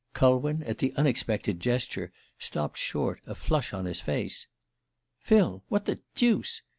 Culwin, at the unexpected gesture, stopped short, a flush on his face. "Phil what the deuce?